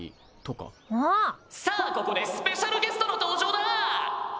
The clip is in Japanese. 「さあここでスペシャルゲストの登場だ！」。